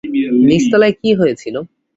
নিচতলায় কী হয়েছিল?